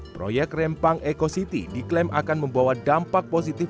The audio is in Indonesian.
proyek rempang eco city diklaim akan membawa dampak positif